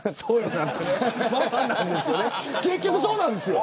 結局そうなんですよ。